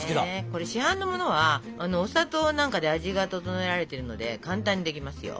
これ市販のものはお砂糖なんかで味が調えられてるので簡単にできますよ。